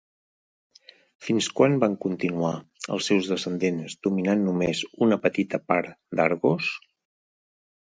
Fins quan van continuar, els seus descendents, dominant només una petita part d'Argos?